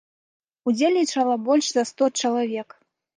Удзельнічала больш за сто чалавек.